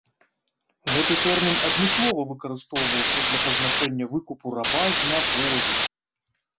Гэты тэрмін адмыслова выкарыстоўваўся для пазначэння выкупу раба з няволі.